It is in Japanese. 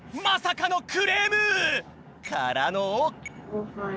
まさかのクレーム！からの？